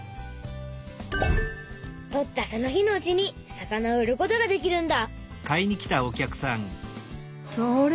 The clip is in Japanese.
とったその日のうちに魚を売ることができるんだ。